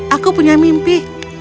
aku punya mimpi